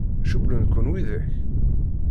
Cewwlen-ken widak?